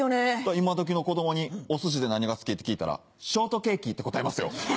今どきの子供にお寿司で何が好きって聞いたら「ショートケーキ」って答えますよ。